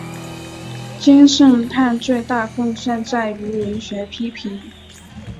金圣叹最大贡献在于文学批评。